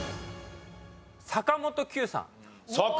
坂本九さん